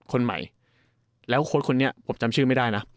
คนใหม่แล้วโค้ดคนนี้ผมจำชื่อไม่ได้นะ